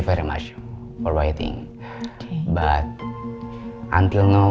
ya terima kasih banyak banyak untuk menunggu